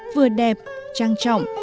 vừa đẹp trang trọng